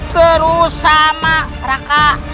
geru sama raka